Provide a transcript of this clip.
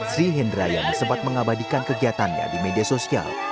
sri hindrayani sempat mengabadikan kegiatannya di media sosial